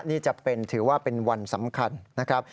นี่จะเป็นถือว่าเป็นวันสำคัญนะครับ